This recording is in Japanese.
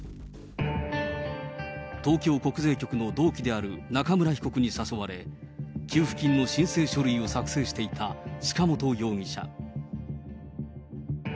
東京国税局の同期である中村被告に誘われ、給付金の申請書類を作成していた塚本容疑者。